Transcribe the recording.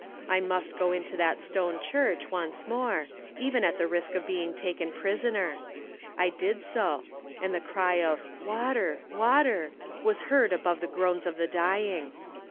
I must go into that Stone Church once more, even at the risk of being taken prisoner. I did so and the cry of "Water," "water," was heard above the groans of the dying.